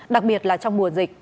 đặc biệt là trong mùa dịch